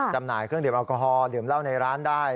จำหน่ายเครื่องดื่มแอลกอฮอลดื่มเหล้าในร้านได้